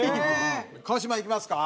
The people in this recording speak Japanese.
川島いきますか？